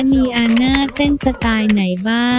ชั้นบอกเค้าไปแล้ว